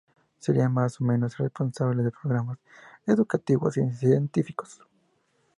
Será más o menos responsable de programas educativos y científicos.